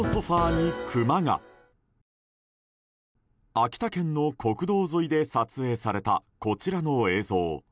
秋田県の国道沿いで撮影されたこちらの映像。